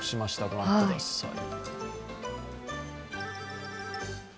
御覧ください。